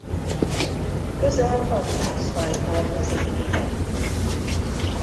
Közel hatszáz faj tartozik ide.